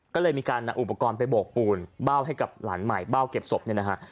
ก็เลยมีการนำอุปกรณ์ไปโบกปูนเบ้าให้กับหลานใหม่เบ้าเก็บศพเนี่ยนะฮะ